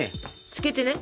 つけてね。